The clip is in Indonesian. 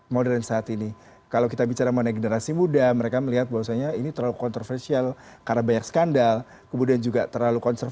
modern saat ini kalau kita bicara mengenai generasi muda mereka melihat bahwasanya ini terlalu kontroversial karena banyak skandal kemudian juga terlalu concern